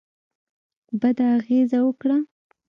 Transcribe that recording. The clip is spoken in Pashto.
بده اغېزه وکړه.